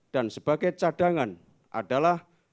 dan sebagai cadangan adalah